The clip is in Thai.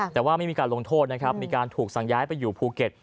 แต่ว่าไม่มีการลงโทษนะครับมีการถูกสั่งย้ายไปอยู่ภูเก็ต